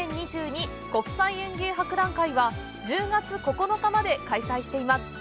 国際園芸博覧会は１０月９日まで開催しています。